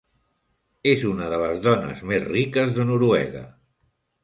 És una de les dones més riques de Noruega.